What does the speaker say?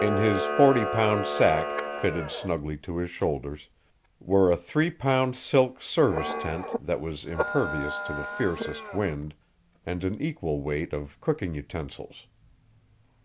In his forty pound pack, fitted snugly to his shoulders, were a three pound silk service tent that was impervious to the fiercest wind, and an equal weight of cooking utensils.